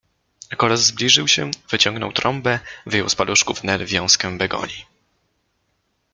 A kolos zbliżył się, wyciągnął trąbę, wyjął z paluszków Nel wiązkę begonii.